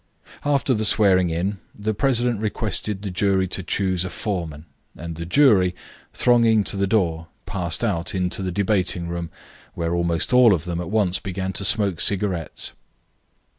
After the swearing in, the president requested the jury to choose a foreman, and the jury, thronging to the door, passed out into the debating room, where almost all of them at once began to smoke cigarettes.